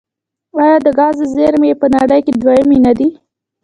آیا د ګازو زیرمې یې په نړۍ کې دویمې نه دي؟